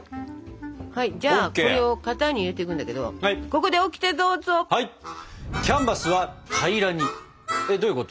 はいじゃあこれを型に入れていくんだけどここでオキテどうぞ！